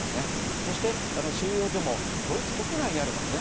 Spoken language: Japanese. そして、収容所もドイツ国内にあるわけです。